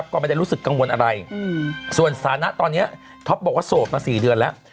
ก็ไม่ได้รู้สึกกังวลอะไรส่วนสถานะตอนนี้ท็อปบอกว่าโสดมา๔เดือนแล้ว